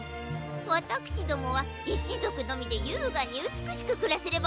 わたくしどもはいちぞくのみでゆうがにうつくしくくらせればまんぞくですの。